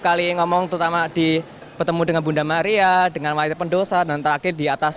kali ngomong terutama di bertemu dengan bunda maria dengan wali pendosa dan terakhir di atas